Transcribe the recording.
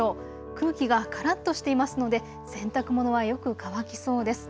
空気がからっとしていますので洗濯物はよく乾きそうです。